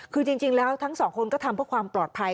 คือจริงแล้วทั้งสองคนก็ทำเพื่อความปลอดภัย